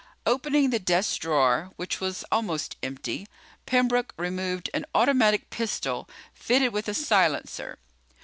Opening the desk drawer, which was almost empty, Pembroke removed an automatic pistol fitted with a silencer.